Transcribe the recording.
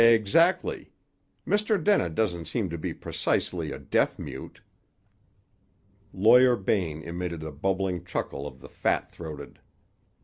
"Exactly. Mr. Dennett doesn't seem to be precisely a deaf mute." Lawyer Bain emitted the bubbling chuckle of the fat throated.